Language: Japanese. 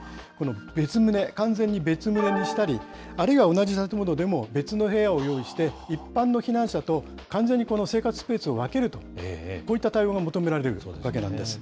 別棟、完全に別棟にしたり、あるいは同じ建物でも別の部屋を用意して、一般の避難者と完全に生活スペースを分けると、こういった対応が求められているわけなんです。